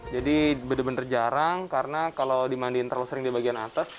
benar benar jarang karena kalau dimandiin terlalu sering di bagian atas